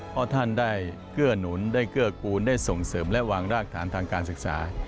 เพราะท่านได้เกื้อหนุนได้เกื้อกูลได้ส่งเสริมและวางรากฐานทางการศึกษา